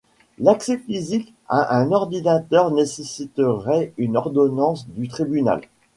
L'accès physique à un ordinateur nécessiterait une ordonnance du tribunal.